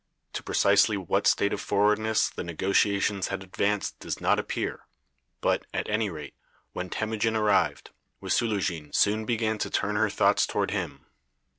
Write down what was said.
To precisely what state of forwardness the negotiations had advanced does not appear, but, at any rate, when Temujin arrived, Wisulujine soon began to turn her thoughts toward him.